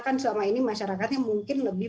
kan selama ini masyarakatnya mungkin lebih